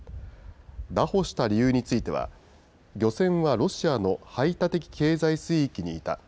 拿捕した理由については、漁船はロシアの排他的経済水域にいた。